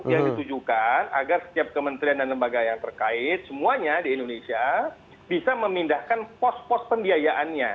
yang ditujukan agar setiap kementerian dan lembaga yang terkait semuanya di indonesia bisa memindahkan pos pos pembiayaannya